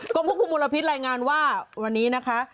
ควบคุมมลพิษรายงานว่าวันนี้นะคะ